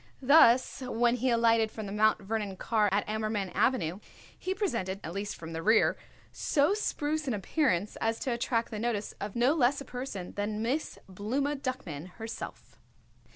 Thus when he alighted from the Mount Vernon car at Ammerman Avenue he presented, at least from the rear, so spruce an appearance as to attract the notice of no less a person than Miss Blooma Duckman herself.